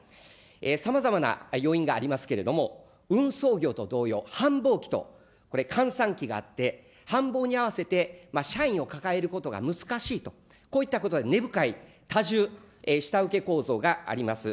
さまざまな要因がありますけれども、運送業と同様、繁忙期と、これ閑散期があって、繁忙に合わせて社員を抱えることが難しいと、こういったことで、根深い多重下請け構造があります。